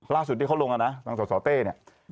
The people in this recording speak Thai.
ล่าสุดที่เขาลงนะทางสสเต้เนี่ย